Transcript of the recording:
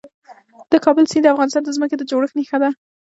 د کابل سیند د افغانستان د ځمکې د جوړښت نښه ده.